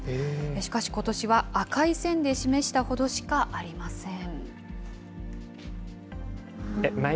しかし、ことしは赤い線で示したほどしかありません。